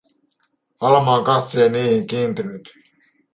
Alman katse ei niihin kiintynyt.